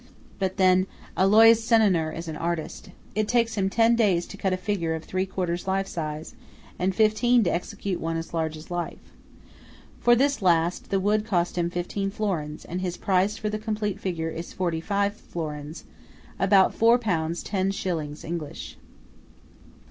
But then Alois Senoner is an artist. It takes him ten days to cut a figure of three quarters life size, and fifteen to execute one as large as life. For this last, the wood costs fifteen florins, and his price for the complete figure is forty five florins; about four pounds ten shillings English.